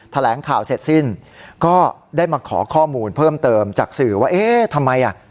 แถลงข่าวเสร็จสิ้นก็ได้มาขอข้อมูลเพิ่มเติมจากสื่อว่าเอ๊ะทำไมอ่ะ